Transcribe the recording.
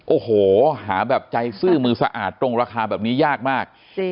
โอ้โหหาแบบใจซื่อมือสะอาดตรงราคาแบบนี้ยากมาก